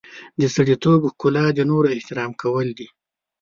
د سړیتوب ښکلا د نورو احترام کول دي.